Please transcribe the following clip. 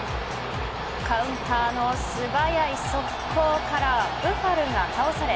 カウンターの素早い速攻からブファルが倒され